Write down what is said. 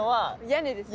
屋根ですね。